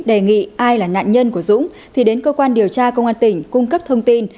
đề nghị ai là nạn nhân của dũng thì đến cơ quan điều tra công an tỉnh cung cấp thông tin